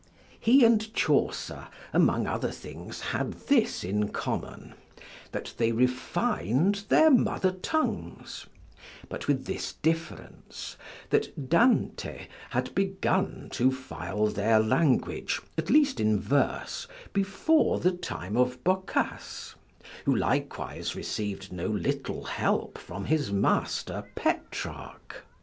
He and Chaucer, among other things, had this in common, that they refin'd their mother tongues; but with this difference, that Dante had begun to file their language, at least in verse, before the time of Boccace, who likewise receiv'd no little help from his master Petrarch.